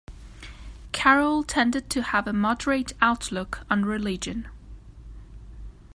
Carroll tended to have a moderate outlook on religion.